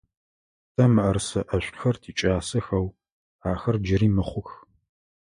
Тэ мыӏэрысэ ӏэшӏухэр тикӏасэх, ау ахэр джыри мыхъух.